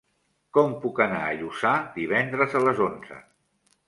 Com puc anar a Lluçà divendres a les onze?